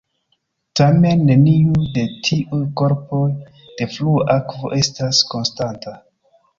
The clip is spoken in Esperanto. Tamen neniu de tiuj korpoj de flua akvo estas konstanta.